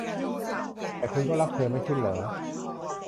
แต่คุณก็รักเธอ ไม่ใช่เหรอ ?